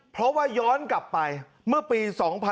เพราะว่าย้อนกลับไปเมื่อปี๒๕๖๒